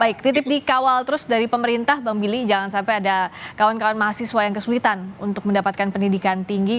baik titip dikawal terus dari pemerintah bang billy jangan sampai ada kawan kawan mahasiswa yang kesulitan untuk mendapatkan pendidikan tinggi